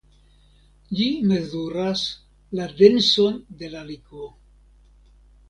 Ĝi mezuras la denson de la likvo.